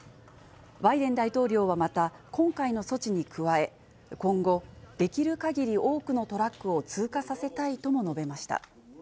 バイデン大統領はまた、今回の措置に加え、今後、できるかぎり多くのトラックを通過させたいとも述べました。